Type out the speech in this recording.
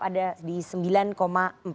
yang tidak tahu atau tidak jawab